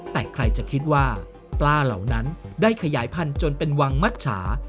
แต่ใครจะคิดว่าปลาเหล่านั้นได้ขยายพันธุ์จนเป็นวังมัชชา